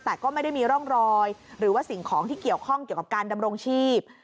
แต่ก็ไม่ได้มีร่องรอยหรือว่าสิ่งของที่เกี่ยวข้องเกี่ยวกับการดำรงชีพ